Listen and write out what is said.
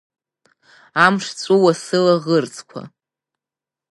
Амш ҵәыуа сылаӷырӡқәа…